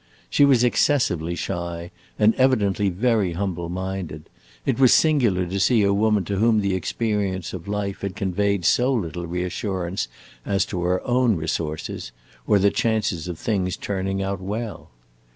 She was excessively shy, and evidently very humble minded; it was singular to see a woman to whom the experience of life had conveyed so little reassurance as to her own resources or the chances of things turning out well.